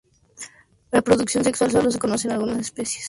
La reproducción sexual solo se conoce en algunas especies.